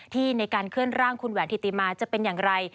ในการเคลื่อนร่างคุณแหวนธิติมาจะเป็นอย่างไร